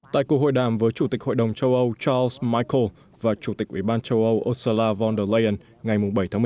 tại cuộc hội đàm với chủ tịch hội đồng châu âu charles michael và chủ tịch ủy ban châu âu ursula von der leyen ngày bảy một mươi hai